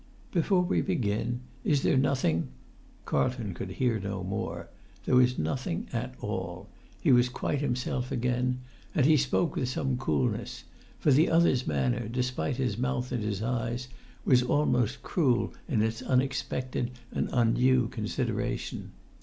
Before we begin, is there nothing——" Carlton could hear no more. There was nothing at all. He was quite himself again. And he spoke with some coolness; for the other's manner, despite his mouth and his eyes, was almost cruel in its unexpected and undue consideration.